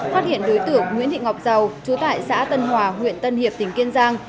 phát hiện đối tượng nguyễn thị ngọc dầu chú tại xã tân hòa huyện tân hiệp tỉnh kiên giang